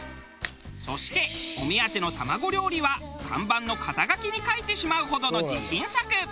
そしてお目当ての卵料理は看板の肩書きに書いてしまうほどの自信作。